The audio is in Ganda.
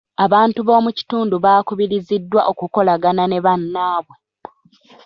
Abantu bo mu kitundu baakubiriziddwa okukolagana ne bannaabwe.